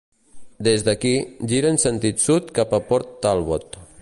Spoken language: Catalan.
Des d"aquí, gira en sentit sud cap a Port Talbot.